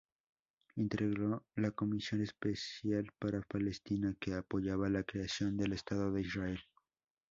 Integró la "Comisión Especial para Palestina" que apoyaba la creación del Estado de Israel.